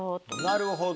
なるほど。